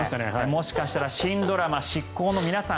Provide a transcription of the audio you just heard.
もしかしたら新ドラマ「シッコウ！！」の皆さん